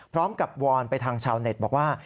พร้อมกับวอนไปทางชาวเน็ตบอกว่า